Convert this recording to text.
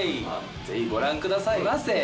ぜひご覧くださいませ。